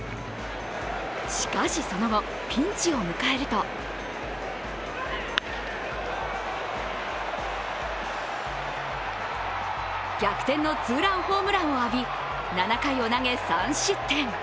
しかし、その後、ピンチを迎えると逆転のツーランホームランを浴び７回を投げ、３失点。